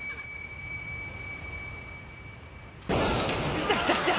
「来た来た来た」